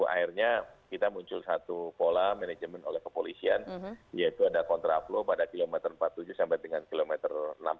akhirnya kita muncul satu pola manajemen oleh kepolisian yaitu ada kontraflow pada kilometer empat puluh tujuh sampai dengan kilometer enam puluh